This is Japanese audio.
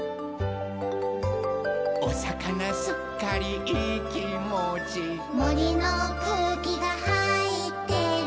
「おさかなすっかりいいきもち」「もりのくうきがはいってる」